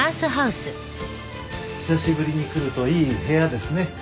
久しぶりに来るといい部屋ですね。